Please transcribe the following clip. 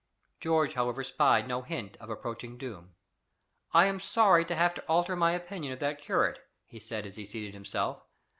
George however spied no hint of approaching doom. "I am sorry to have to alter my opinion of that curate," he said as he seated himself.